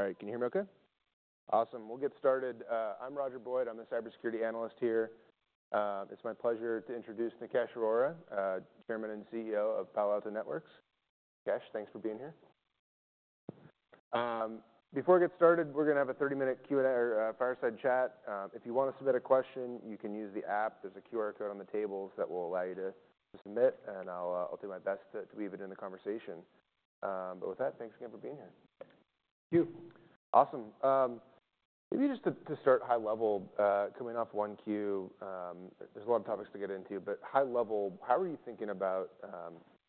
All right. Can you hear me okay? Awesome. We'll get started. I'm Roger Boyd. I'm the cybersecurity analyst here. It's my pleasure to introduce Nikesh Arora, Chairman and CEO of Palo Alto Networks. Nikesh, thanks for being here. Before I get started, we're gonna have a 30-minute Q and A or fireside chat. If you wanna submit a question, you can use the app. There's a QR code on the tables that will allow you to submit. And I'll do my best to weave it in the conversation. But with that, thanks again for being here. Thank you. Awesome. Maybe just to start high level, coming off 1Q, there's a lot of topics to get into, but high level, how are you thinking about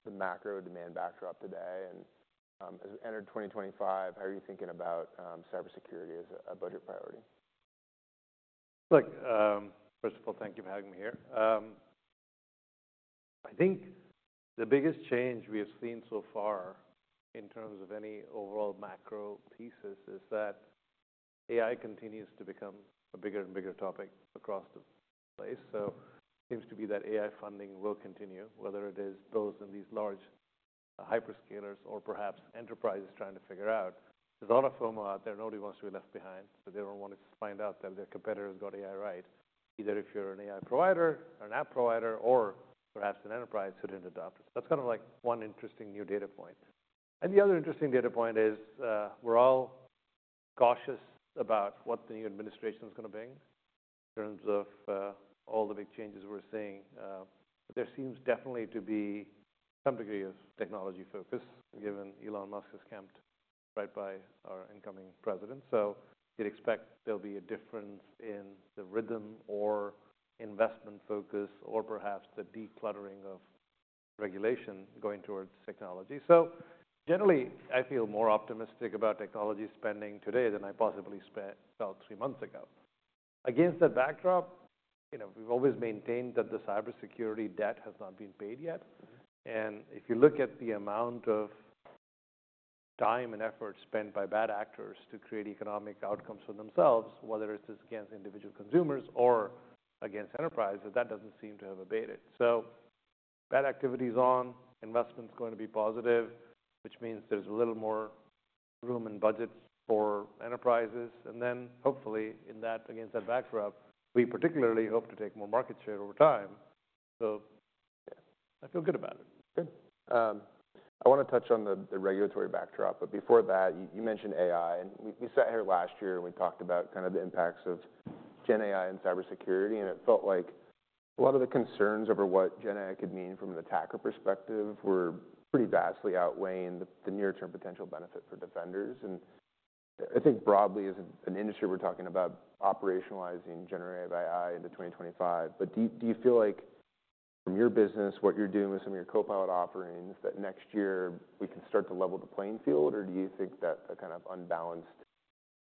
the macro demand backdrop today? And as we enter 2025, how are you thinking about cybersecurity as a budget priority? Look, first of all, thank you for having me here. I think the biggest change we have seen so far in terms of any overall macro thesis is that AI continues to become a bigger and bigger topic across the place. So it seems to be that AI funding will continue, whether it is those in these large, hyperscalers or perhaps enterprises trying to figure out. There's a lot of FOMO out there. Nobody wants to be left behind. So they don't want to find out that their competitor's got AI right, either if you're an AI provider or an app provider or perhaps an enterprise who didn't adopt it. So that's kind of like one interesting new data point. And the other interesting data point is, we're all cautious about what the new administration's gonna bring in terms of, all the big changes we're seeing. There seems definitely to be some degree of technology focus given Elon Musk has camped right by our incoming president, so you'd expect there'll be a difference in the rhythm or investment focus or perhaps the decluttering of regulation going towards technology, so generally, I feel more optimistic about technology spending today than I possibly spent about three months ago. Against that backdrop, you know, we've always maintained that the cybersecurity debt has not been paid yet, and if you look at the amount of time and effort spent by bad actors to create economic outcomes for themselves, whether it's against individual consumers or against enterprises, that doesn't seem to have abated, so bad activity's on. Investment's going to be positive, which means there's a little more room in budgets for enterprises, and then hopefully in that, against that backdrop, we particularly hope to take more market share over time. Yeah, I feel good about it. Good. I wanna touch on the regulatory backdrop. But before that, you mentioned AI. And we sat here last year and we talked about kind of the impacts of Gen AI and cybersecurity. And it felt like a lot of the concerns over what Gen AI could mean from an attacker perspective were pretty vastly outweighing the near-term potential benefit for defenders. And I think broadly as an industry, we're talking about operationalizing generative AI into 2025. But do you feel like from your business, what you're doing with some of your Copilot offerings, that next year we can start to level the playing field? Or do you think that the kind of unbalanced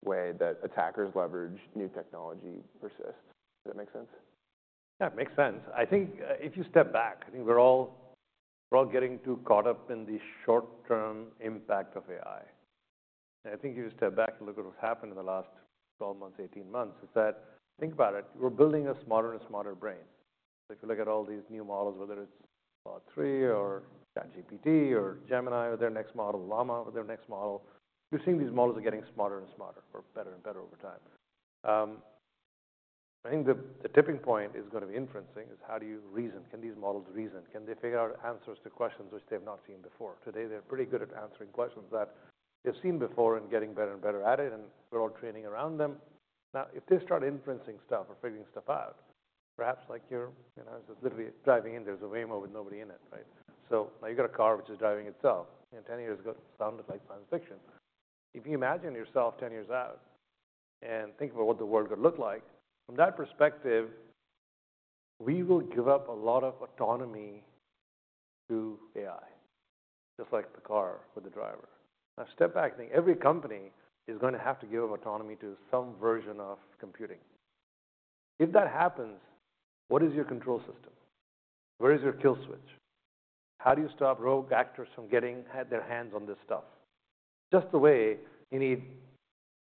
way that attackers leverage new technology persists? Does that make sense? Yeah, it makes sense. I think, if you step back, I think we're all, we're all getting too caught up in the short-term impact of AI, and I think if you step back and look at what's happened in the last 12 months, 18 months, is that think about it. We're building a smarter and smarter brain, so if you look at all these new models, whether it's Claude 3 or ChatGPT or Gemini or their next model, Llama or their next model, you're seeing these models are getting smarter and smarter or better and better over time. I think the tipping point is gonna be inferencing is how do you reason? Can these models reason? Can they figure out answers to questions which they've not seen before? Today, they're pretty good at answering questions that they've seen before and getting better and better at it. We're all training around them. Now, if they start inferencing stuff or figuring stuff out, perhaps like your, you know, it's just literally driving in. There's a Waymo with nobody in it, right? So now you've got a car which is driving itself. You know, 10 years ago, it sounded like science fiction. If you imagine yourself 10 years out and think about what the world could look like, from that perspective, we will give up a lot of autonomy to AI, just like the car with the driver. Now, step back. I think every company is gonna have to give up autonomy to some version of computing. If that happens, what is your control system? Where is your kill switch? How do you stop rogue actors from getting their hands on this stuff? Just the way you need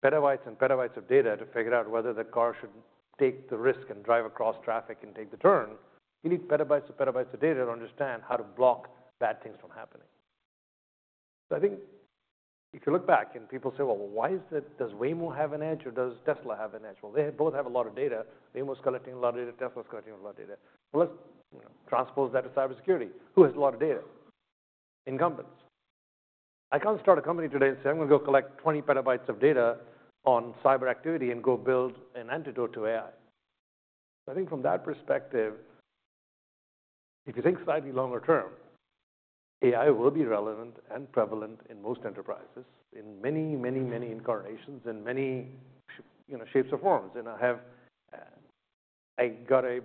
petabytes and petabytes of data to figure out whether the car should take the risk and drive across traffic and take the turn, you need petabytes and petabytes of data to understand how to block bad things from happening. I think if you look back and people say, "Well, why is it? Does Waymo have an edge or does Tesla have an edge?" They both have a lot of data. Waymo's collecting a lot of data. Tesla's collecting a lot of data. Let's, you know, transpose that to cybersecurity. Who has a lot of data? Incumbents. I can't start a company today and say, "I'm gonna go collect 20 petabytes of data on cyber activity and go build an antidote to AI." I think from that perspective, if you think slightly longer term, AI will be relevant and prevalent in most enterprises in many, many, many incarnations in many, you know, shapes or forms. You know, I have, I got a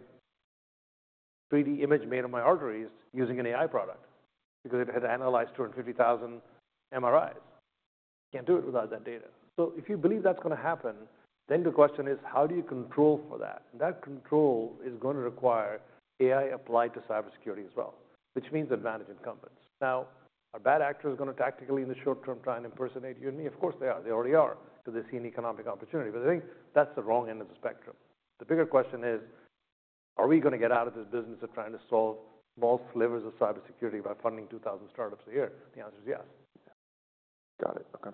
3D image made on my arteries using an AI product because it had analyzed 250,000 MRIs. Can't do it without that data. So if you believe that's gonna happen, then the question is, how do you control for that? And that control is gonna require AI applied to cybersecurity as well, which means advantage incumbents. Now, are bad actors gonna tactically in the short term try and impersonate you and me? Of course they are. They already are 'cause they see an economic opportunity. But I think that's the wrong end of the spectrum. The bigger question is, are we gonna get out of this business of trying to solve small slivers of cybersecurity by funding 2,000 startups a year? The answer is yes. Got it. Okay.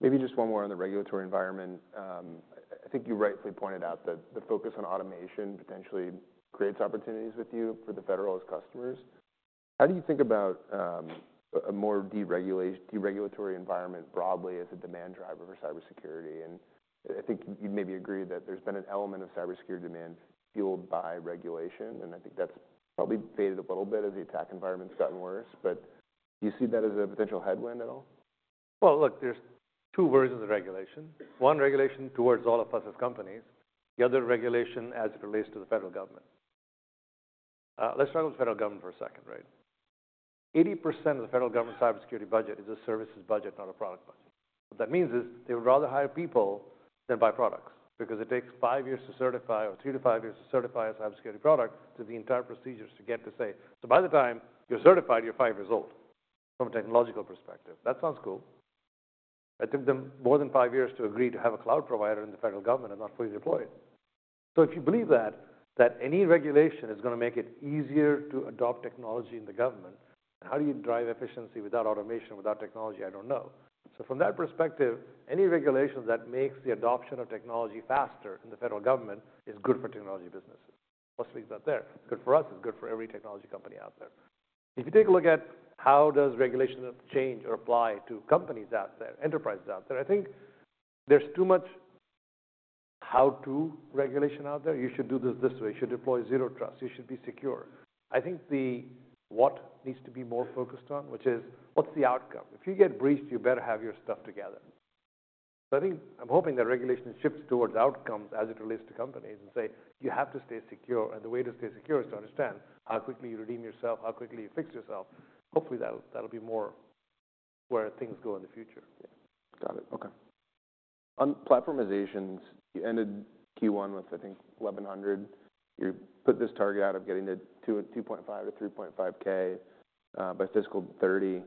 Maybe just one more on the regulatory environment. I think you rightfully pointed out that the focus on automation potentially creates opportunities with you for the federal customers. How do you think about a more deregulatory environment broadly as a demand driver for cybersecurity? And I think you'd maybe agree that there's been an element of cybersecurity demand fueled by regulation. And I think that's probably faded a little bit as the attack environment's gotten worse. But do you see that as a potential headwind at all? Look, there's two versions of regulation. One regulation towards all of us as companies, the other regulation as it relates to the federal government. Let's talk about the federal government for a second, right? 80% of the federal government cybersecurity budget is a services budget, not a product budget. What that means is they would rather hire people than buy products because it takes five years to certify or three to five years to certify a cybersecurity product. So the entire procedure is to get to say, "So by the time you're certified, you're five years old from a technological perspective." That sounds cool. It took them more than five years to agree to have a cloud provider in the federal government and not fully deployed. So if you believe that, that any regulation is gonna make it easier to adopt technology in the government, how do you drive efficiency without automation, without technology? I don't know. So from that perspective, any regulation that makes the adoption of technology faster in the federal government is good for technology businesses. Let's leave that there. It's good for us. It's good for every technology company out there. If you take a look at how does regulation change or apply to companies out there, enterprises out there, I think there's too much how-to regulation out there. You should do this this way. You should deploy Zero Trust. You should be secure. I think the what needs to be more focused on, which is what's the outcome? If you get briefed, you better have your stuff together. I think I'm hoping that regulation shifts towards outcomes as it relates to companies and say, "You have to stay secure. And the way to stay secure is to understand how quickly you redeem yourself, how quickly you fix yourself." Hopefully that'll be more where things go in the future. Yeah. Got it. Okay. On platformizations, you ended Q1 with, I think, 1,100. You put this target out of getting to 2.5K-3.5K by fiscal 2030.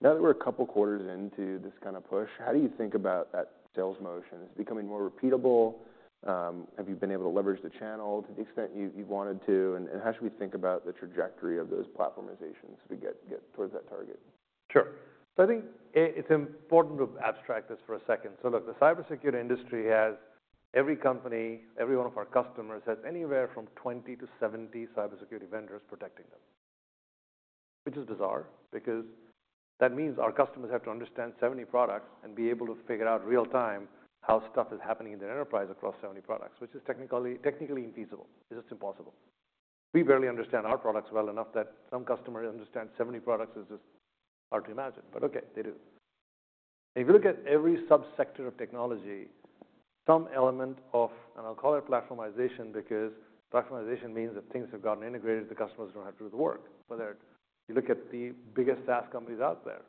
Now that we're a couple quarters into this kind of push, how do you think about that sales motion? Is it becoming more repeatable? Have you been able to leverage the channel to the extent you wanted to? And how should we think about the trajectory of those platformizations as we get towards that target? Sure. So I think it's important to abstract this for a second. So look, the cybersecurity industry has every company, every one of our customers has anywhere from 20-70 cybersecurity vendors protecting them, which is bizarre because that means our customers have to understand 70 products and be able to figure out real-time how stuff is happening in their enterprise across 70 products, which is technically, technically infeasible. It's just impossible. We barely understand our products well enough that some customer understands 70 products is just hard to imagine. But okay, they do, and if you look at every subsector of technology, some element of, and I'll call it platformization because platformization means that things have gotten integrated. The customers don't have to do the work. Whether you look at the biggest SaaS companies out there,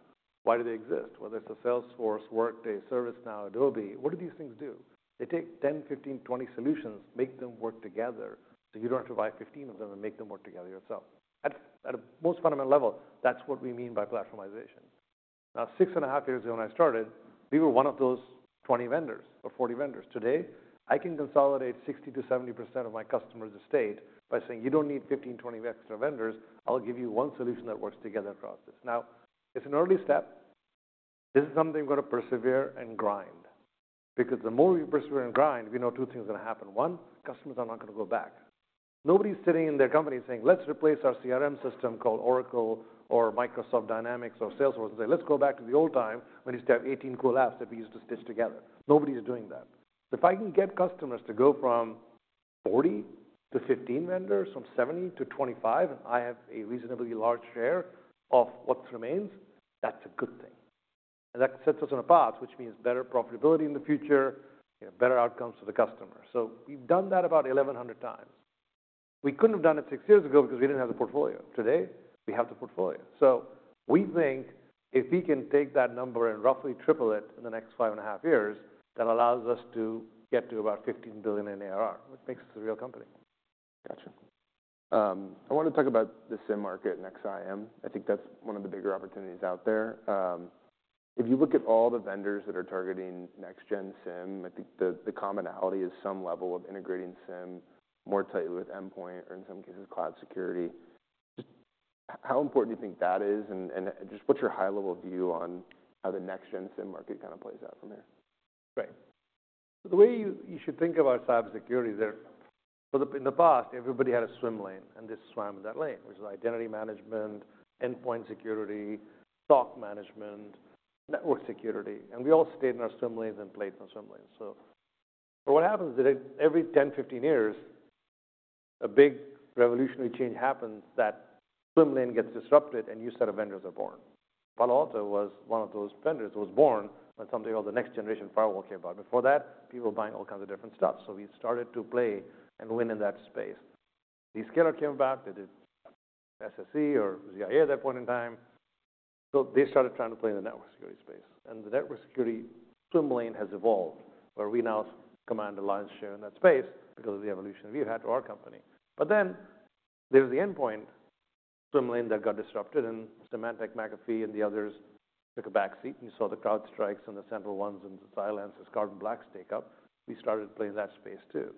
why do they exist? Whether it's a Salesforce, Workday, ServiceNow, Adobe, what do these things do? They take 10, 15, 20 solutions, make them work together so you don't have to buy 15 of them and make them work together yourself. At the most fundamental level, that's what we mean by platformization. Now, six and a half years ago when I started, we were one of those 20 vendors or 40 vendors. Today, I can consolidate 60%-70% of my customers' estate by saying, "You don't need 15, 20 extra vendors. I'll give you one solution that works together across this." Now, it's an early step. This is something we're gonna persevere and grind because the more we persevere and grind, we know two things are gonna happen. One, customers are not gonna go back. Nobody's sitting in their company saying, "Let's replace our CRM system called Oracle or Microsoft Dynamics or Salesforce and say, 'Let's go back to the old time when you used to have 18 cool apps that we used to stitch together.'" Nobody's doing that. So if I can get customers to go from 40 to 15 vendors, from 70 to 25, and I have a reasonably large share of what remains, that's a good thing. And that sets us on a path, which means better profitability in the future, you know, better outcomes for the customer. So we've done that about 1,100 times. We couldn't have done it six years ago because we didn't have the portfolio. Today, we have the portfolio. So we think if we can take that number and roughly triple it in the next five and a half years, that allows us to get to about $15 billion in ARR, which makes us a real company. Gotcha. I wanna talk about the SIEM market and XSIAM. I think that's one of the bigger opportunities out there. If you look at all the vendors that are targeting next-gen SIEM, I think the commonality is some level of integrating SIEM more tightly with endpoint or in some cases cloud security. Just how important do you think that is? And just what's your high-level view on how the next-gen SIEM market kind of plays out from here? Right. So the way you, you should think about cybersecurity is that in the past, everybody had a swim lane, and they swam in that lane, which is identity management, endpoint security, SOC management, network security, and we all stayed in our swim lanes and played in the swim lanes. So what happens is that every 10, 15 years, a big revolutionary change happens that swim lane gets disrupted and new set of vendors are born. Palo Alto was one of those vendors that was born when something called the next-generation firewall came out. Before that, people were buying all kinds of different stuff. So we started to play and win in that space. The Zscaler came about. They did SSE or ZIA at that point in time. So they started trying to play in the network security space. The network security swim lane has evolved where we now command a large share in that space because of the evolution we've had to our company. But then there's the endpoint swim lane that got disrupted. And Symantec, McAfee, and the others took a backseat. And you saw the CrowdStrike and the SentinelOne and the Cylance, Carbon Black take up. We started playing that space too.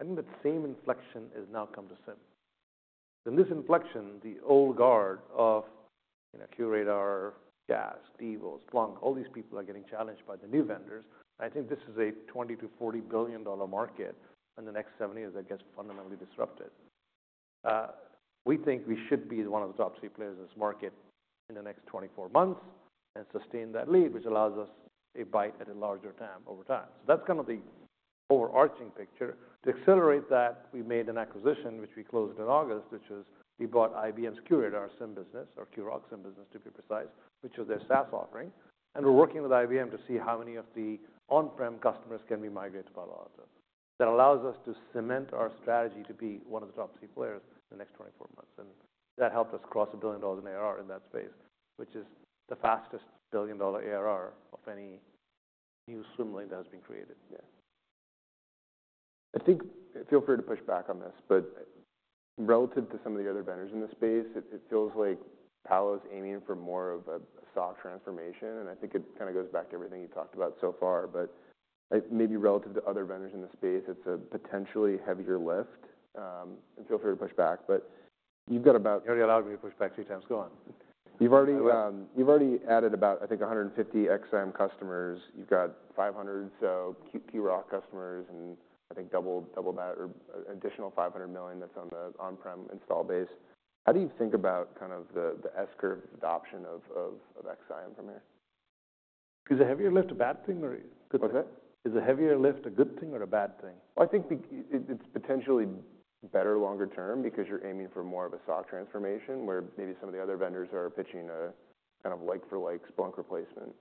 I think that same inflection has now come to SIEM. In this inflection, the old guard of, you know, QRadar, ArcSight, Devo, Splunk, all these people are getting challenged by the new vendors. And I think this is a $20-$40 billion market in the next seven years that gets fundamentally disrupted. We think we should be one of the top three players in this market in the next 24 months and sustain that lead, which allows us a bite at a larger pie over time. So that's kind of the overarching picture. To accelerate that, we made an acquisition, which we closed in August, which is we bought IBM's QRadar SIEM business or QRoC SIEM business, to be precise, which was their SaaS offering. And we're working with IBM to see how many of the on-prem customers can be migrated to Palo Alto. That allows us to cement our strategy to be one of the top three players in the next 24 months. And that helped us cross $1 billion in ARR in that space, which is the fastest $1 billion ARR of any new swim lane that has been created. Yeah. I think, feel free to push back on this. But relative to some of the other vendors in this space, it feels like Palo's aiming for more of a soft transformation. I think it kind of goes back to everything you talked about so far. Maybe relative to other vendors in the space, it's a potentially heavier lift. Feel free to push back. But you've got about. You already allowed me to push back three times. Go on. You've already added about, I think, 150 XSIAM customers. You've got 500 or so QRoC customers and I think double that or additional 500 million that's on the on-prem install base. How do you think about kind of the S-curve adoption of XSIAM from here? Is a heavier lift a bad thing or a good thing? What's that? Is a heavier lift a good thing or a bad thing? I think it's potentially better longer term because you're aiming for more of a soft transformation where maybe some of the other vendors are pitching a kind of like-for-like Splunk replacement.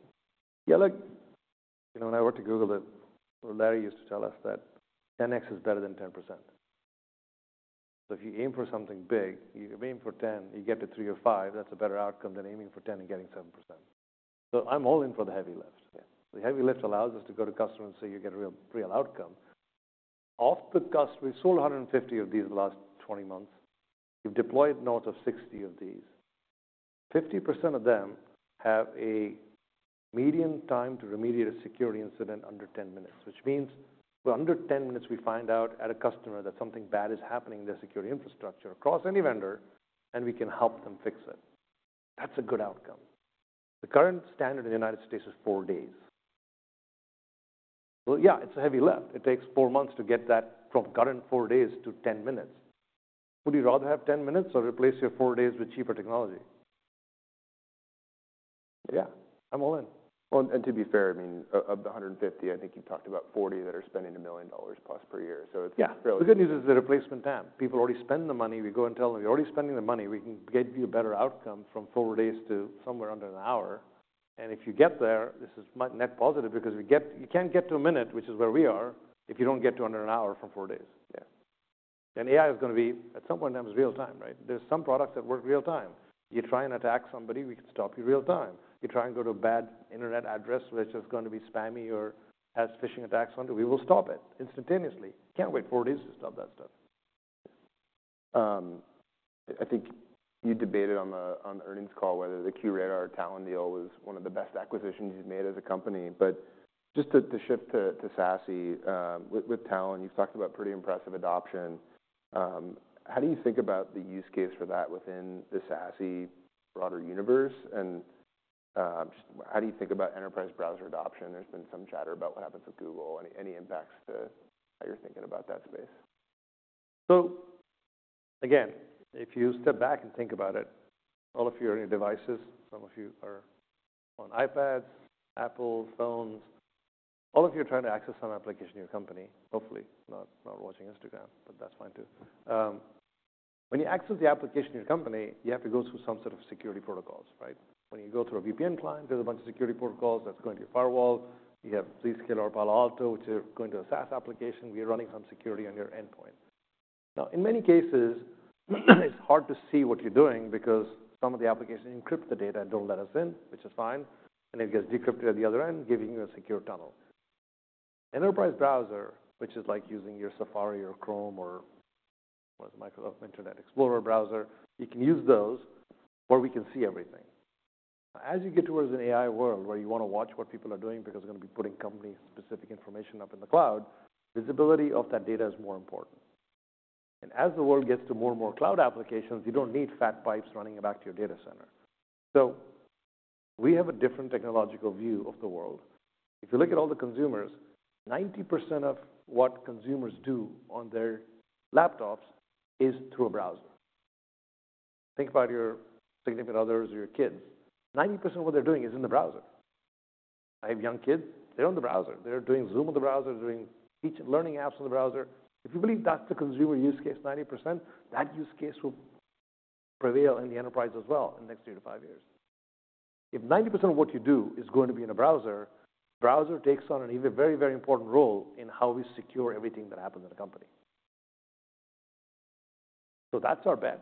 Yeah. Look, you know, when I worked at Google, Larry used to tell us that 10X is better than 10%. So if you aim for something big, you aim for 10, you get to 3 or 5, that's a better outcome than aiming for 10 and getting 7%. So I'm all in for the heavy lift. Yeah. The heavy lift allows us to go to the customer and say, "You get a real real outcome." To the customer, we sold 150 of these in the last 20 months. We've deployed north of 60 of these. 50% of them have a median time to remediate a security incident under 10 minutes, which means for under 10 minutes, we find out at a customer that something bad is happening in their security infrastructure across any vendor, and we can help them fix it. That's a good outcome. The current standard in the United States is four days. So yeah, it's a heavy lift. It takes four months to get that from current four days to 10 minutes. Would you rather have 10 minutes or replace your four days with cheaper technology? Yeah. I'm all in. And to be fair, I mean, of the 150, I think you've talked about 40 that are spending $1 million plus per year. So it's fairly. Yeah. The good news is the replacement time. People already spend the money. We go and tell them, "We're already spending the money. We can get you a better outcome from four days to somewhere under an hour." And if you get there, this is net positive because we get you can't get to a minute, which is where we are, if you don't get to under an hour from four days. Yeah. And AI is gonna be at some point in time is real time, right? There's some products that work real time. You try and attack somebody, we can stop you real time. You try and go to a bad internet address which is gonna be spammy or has phishing attacks on it, we will stop it instantaneously. Can't wait four days to stop that stuff. I think you debated on the earnings call whether the QRadar or Talon deal was one of the best acquisitions you've made as a company. But just to shift to SASE, with Talon, you've talked about pretty impressive adoption. How do you think about the use case for that within the SASE broader universe? And just how do you think about enterprise browser adoption? There's been some chatter about what happens with Google. Any impacts to how you're thinking about that space? So again, if you step back and think about it, all of your devices, some of you are on iPads, Apple phones, all of you are trying to access some application in your company, hopefully not, not watching Instagram, but that's fine too. When you access the application in your company, you have to go through some sort of security protocols, right? When you go through a VPN client, there's a bunch of security protocols that's going to your firewall. You have Zscaler or Palo Alto, which are going to a SaaS application. We are running some security on your endpoint. Now, in many cases, it's hard to see what you're doing because some of the applications encrypt the data and don't let us in, which is fine. And it gets decrypted at the other end, giving you a secure tunnel. Enterprise browser, which is like using your Safari or Chrome or what is Microsoft Internet Explorer browser. You can use those where we can see everything. As you get towards an AI world where you wanna watch what people are doing because they're gonna be putting company-specific information up in the cloud, visibility of that data is more important, and as the world gets to more and more cloud applications, you don't need fat pipes running back to your data center, so we have a different technological view of the world. If you look at all the consumers, 90% of what consumers do on their laptops is through a browser. Think about your significant others or your kids. 90% of what they're doing is in the browser. I have young kids. They're on the browser. They're doing Zoom on the browser. They're doing tech learning apps on the browser. If you believe that's the consumer use case, 90% that use case will prevail in the enterprise as well in the next three to five years. If 90% of what you do is going to be in a browser, browser takes on an even very, very important role in how we secure everything that happens in a company. So that's our bet.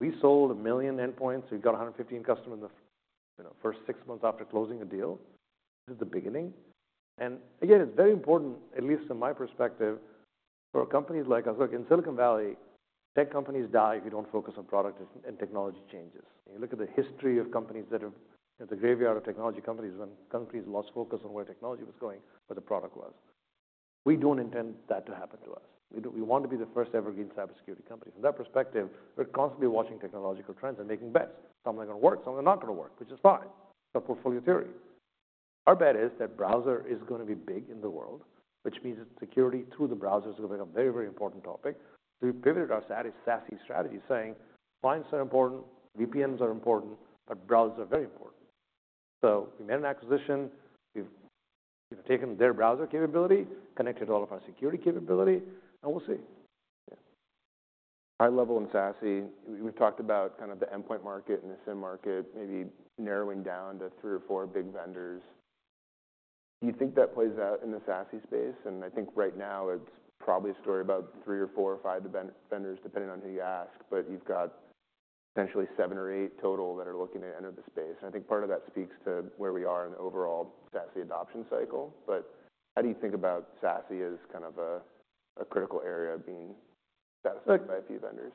We sold a million endpoints. We got 115 customers in the, you know, first six months after closing a deal. This is the beginning. Again, it's very important, at least from my perspective, for companies like us. Look, in Silicon Valley, tech companies die if you don't focus on product and technology changes. You look at the history of companies that have, you know, the graveyard of technology companies when companies lost focus on where technology was going, where the product was. We don't intend that to happen to us. We don't want to be the first ever green cybersecurity company. From that perspective, we're constantly watching technological trends and making bets. Some of them are gonna work. Some of them are not gonna work, which is fine. It's our portfolio theory. Our bet is that browser is gonna be big in the world, which means that security through the browser is gonna become a very, very important topic. So we pivoted our SASE strategy saying, "Firewalls are important. VPNs are important, but browsers are very important." So we made an acquisition. We've, you know, taken their browser capability, connected all of our security capability, and we'll see. Yeah. High level in SASE, we've talked about kind of the endpoint market and the SIEM market, maybe narrowing down to three or four big vendors. Do you think that plays out in the SASE space? And I think right now it's probably a story about three or four or five vendors, depending on who you ask, but you've got potentially seven or eight total that are looking to enter the space. And I think part of that speaks to where we are in the overall SASE adoption cycle. But how do you think about SASE as kind of a critical area being satisfied by a few vendors?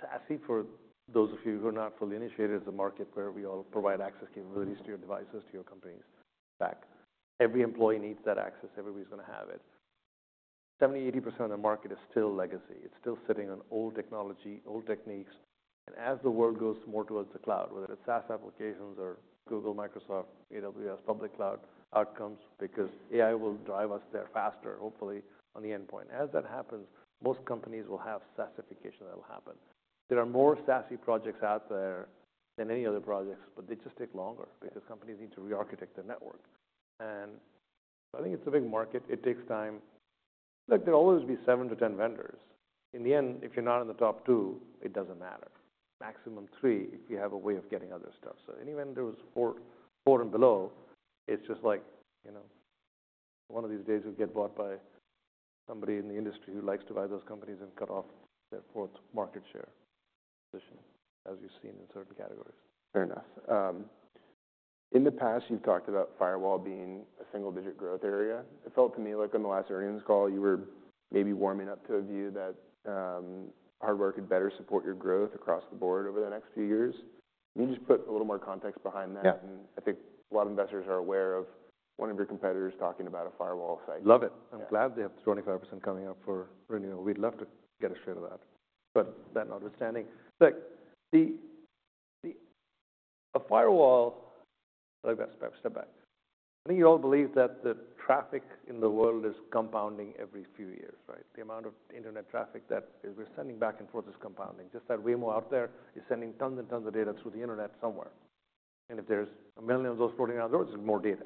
SASE, for those of you who are not fully initiated, is a market where we all provide access capabilities to your devices, to your companies. Every employee needs that access. Everybody's gonna have it. 70%-80% of the market is still legacy. It's still sitting on old technology, old techniques, and as the world goes more towards the cloud, whether it's SaaS applications or Google, Microsoft, AWS, public cloud and comes because AI will drive us there faster, hopefully, on the endpoint. As that happens, most companies will have SaaSification that'll happen. There are more SaaS projects out there than any other projects, but they just take longer because companies need to re-architect their network, and I think it's a big market. It takes time. Look, there'll always be 7-10 vendors. In the end, if you're not in the top two, it doesn't matter. Maximum three, if you have a way of getting other stuff, so any vendor who's four, four and below. It's just like, you know, one of these days we'll get bought by somebody in the industry who likes to buy those companies and cut off their fourth market share position, as you've seen in certain categories. Fair enough. In the past, you've talked about firewall being a single-digit growth area. It felt to me like on the last earnings call, you were maybe warming up to a view that, hardware could better support your growth across the board over the next few years. Can you just put a little more context behind that? Yeah. I think a lot of investors are aware of one of your competitors talking about a firewall cycle. Love it. I'm glad they have 25% coming up for renewal. We'd love to get a share of that. But that notwithstanding, look, the firewall. I like that. Step back. I think you all believe that the traffic in the world is compounding every few years, right? The amount of internet traffic that we're sending back and forth is compounding. Just that Waymo out there is sending tons and tons of data through the internet somewhere. And if there's a million of those floating around the world, there's more data.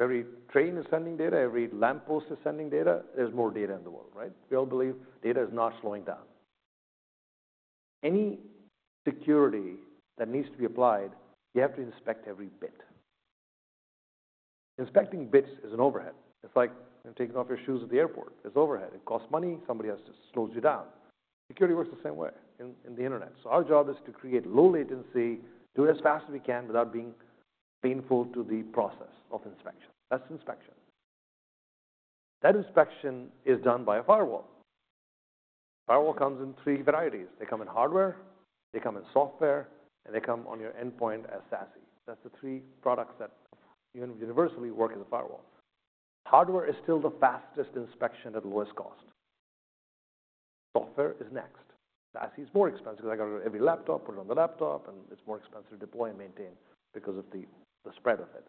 Every train is sending data. Every lamppost is sending data. There's more data in the world, right? We all believe data is not slowing down. Any security that needs to be applied, you have to inspect every bit. Inspecting bits is an overhead. It's like taking off your shoes at the airport. It's overhead. It costs money. Somebody else just slows you down. Security works the same way in the internet. So our job is to create low latency, do it as fast as we can without being painful to the process of inspection. That's inspection. That inspection is done by a firewall. Firewall comes in three varieties. They come in hardware. They come in software. And they come on your endpoint as SASE. That's the three products that universally work as a firewall. Hardware is still the fastest inspection at lowest cost. Software is next. SASE is more expensive because I gotta go to every laptop, put it on the laptop, and it's more expensive to deploy and maintain because of the spread of it.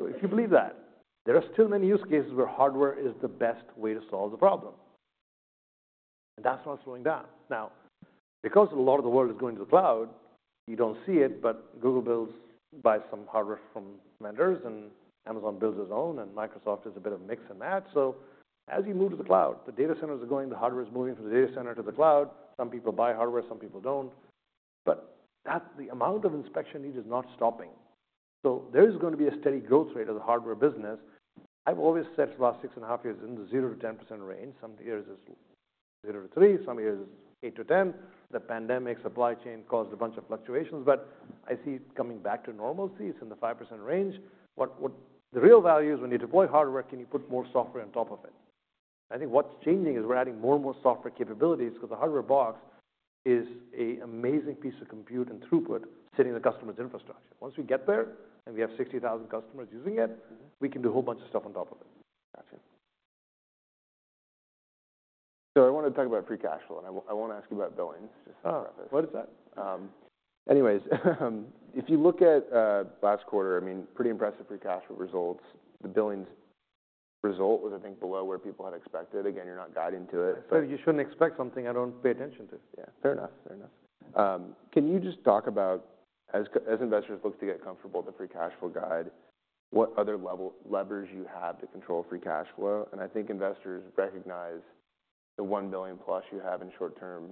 So if you believe that, there are still many use cases where hardware is the best way to solve the problem, and that's not slowing down. Now, because a lot of the world is going to the cloud, you don't see it, but Google buys some hardware from vendors, and Amazon builds its own, and Microsoft is a bit of mix and match. So as you move to the cloud, the data centers are going, the hardware's moving from the data center to the cloud. Some people buy hardware. Some people don't. But the amount of inspection needed is not stopping. So there is gonna be a steady growth rate of the hardware business. I've always said for the last six and a half years, in the 0-10% range. Some years it's 0-3%. Some years it's 8-10%. The pandemic supply chain caused a bunch of fluctuations, but I see it coming back to normalcy. It's in the 5% range. What the real value is when you deploy hardware, can you put more software on top of it? I think what's changing is we're adding more and more software capabilities because the hardware box is an amazing piece of compute and throughput sitting in the customer's infrastructure. Once we get there and we have 60,000 customers using it, we can do a whole bunch of stuff on top of it. Gotcha. So I wanna talk about free cash flow, and I wanna ask you about billing just to preface. Oh, what is that? Anyways, if you look at last quarter, I mean, pretty impressive free cash flow results. The billings result was, I think, below where people had expected. Again, you're not guiding to it, but. So you shouldn't expect something I don't pay attention to. Yeah. Fair enough. Fair enough. Can you just talk about, as investors look to get comfortable with the free cash flow guide, what other levers you have to control free cash flow? And I think investors recognize the one million plus you have in short-term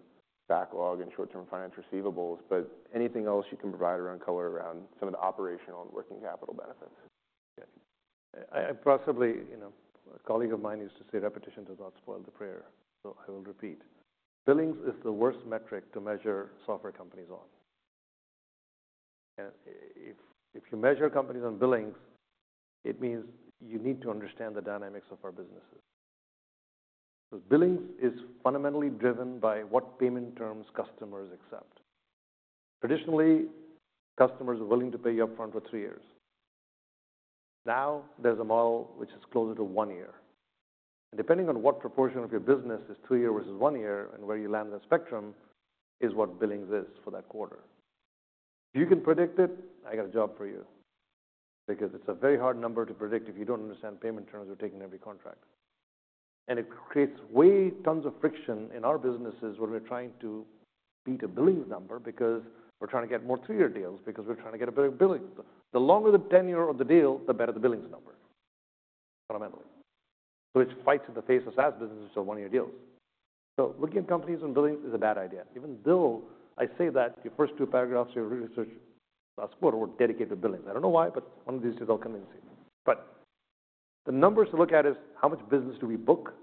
backlog and short-term finance receivables, but anything else you can provide around color around some of the operational and working capital benefits? Yeah. I possibly, you know, a colleague of mine used to say, "Repetition does not spoil the prayer." So I will repeat. Billings is the worst metric to measure software companies on. And if you measure companies on billings, it means you need to understand the dynamics of our businesses. Because billings is fundamentally driven by what payment terms customers accept. Traditionally, customers are willing to pay you upfront for three years. Now, there's a model which is closer to one year. And depending on what proportion of your business is three years versus one year and where you land in the spectrum is what billings is for that quarter. If you can predict it, I got a job for you because it's a very hard number to predict if you don't understand payment terms you're taking every contract. It creates a ton of friction in our businesses when we're trying to beat a billings number because we're trying to get more three-year deals because we're trying to get a better billings. The longer the tenure of the deal, the better the billings number, fundamentally. So it fights in the face of SaaS businesses who sell one-year deals. So looking at companies on billings is a bad idea. Even though I say that your first two paragraphs of your research last quarter were dedicated to billings, I don't know why, but one of these days I'll convince you. But the numbers to look at is how much business do we book?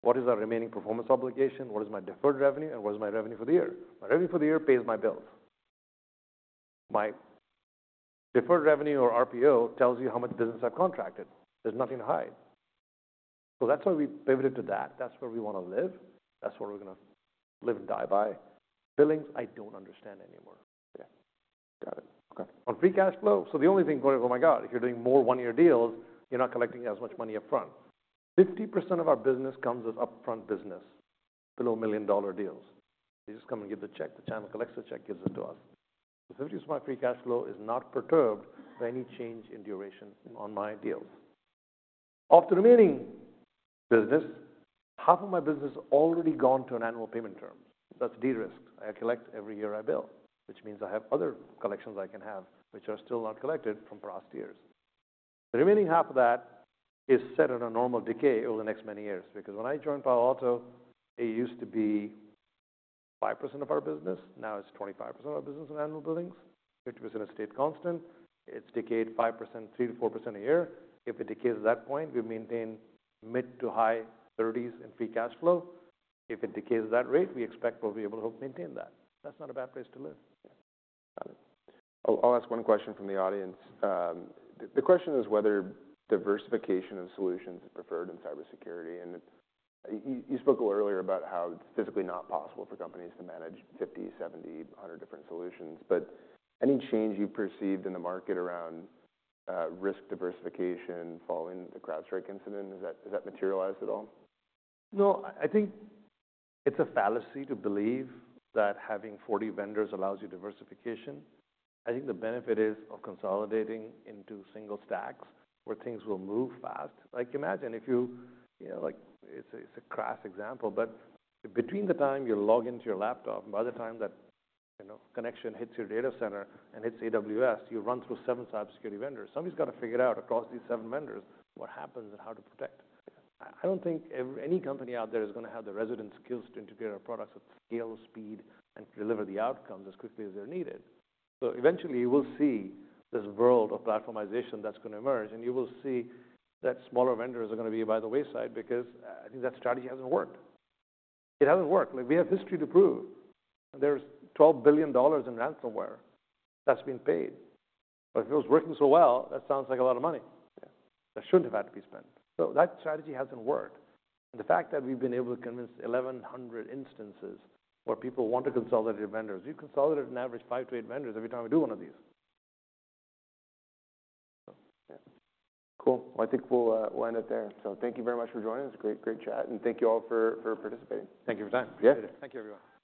What is our remaining performance obligation? What is my deferred revenue? And what is my revenue for the year? My revenue for the year pays my bills. My deferred revenue or RPO tells you how much business I've contracted. There's nothing to hide. So that's why we pivoted to that. That's where we wanna live. That's where we're gonna live and die by. Billings, I don't understand anymore. Yeah. Got it. Okay. On free cash flow, so the only thing going, "Oh my God, if you're doing more one-year deals, you're not collecting as much money upfront." 50% of our business comes as upfront business, below $1 million deals. They just come and give the check. The channel collects the check, gives it to us. The 50% free cash flow is not perturbed by any change in duration on my deals. Of the remaining business, half of my business is already gone to an annual payment terms. That's de-risked. I collect every year I bill, which means I have other collections I can have which are still not collected from past years. The remaining half of that is set at a normal decay over the next many years because when I joined Palo Alto, it used to be 5% of our business. Now it's 25% of our business in annual billings. 50% is stated constant. It's decayed 5%, 3%-4% a year. If it decays at that point, we maintain mid to high 30s in free cash flow. If it decays at that rate, we expect we'll be able to maintain that. That's not a bad place to live. Yeah. Got it. I'll ask one question from the audience. The question is whether diversification of solutions is preferred in cybersecurity. And you spoke a little earlier about how it's physically not possible for companies to manage 50, 70, 100 different solutions. But any change you've perceived in the market around risk diversification following the CrowdStrike incident? Has that materialized at all? No, I think it's a fallacy to believe that having 40 vendors allows you diversification. I think the benefit is of consolidating into single stacks where things will move fast. Like, imagine if you, you know, like, it's a, it's a crass example, but between the time you log into your laptop and by the time that, you know, connection hits your data center and hits AWS, you run through seven cybersecurity vendors. Somebody's gotta figure out across these seven vendors what happens and how to protect. I, I don't think every any company out there is gonna have the resident skills to integrate our products at scale, speed, and deliver the outcomes as quickly as they're needed. So eventually, you will see this world of platformization that's gonna emerge, and you will see that smaller vendors are gonna be by the wayside because I think that strategy hasn't worked. It hasn't worked. Like, we have history to prove. There's $12 billion in ransomware that's been paid. But if it was working so well, that sounds like a lot of money. Yeah. That shouldn't have had to be spent. So that strategy hasn't worked, and the fact that we've been able to convince 1,100 instances where people want to consolidate your vendors, we've consolidated an average of five to eight vendors every time we do one of these. Yeah. Cool. Well, I think we'll end it there. So thank you very much for joining us. Great, great chat. And thank you all for participating. Thank you for your time. Yeah. Appreciate it. Thank you, everyone.